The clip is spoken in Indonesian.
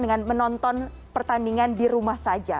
dengan menonton pertandingan di rumah saja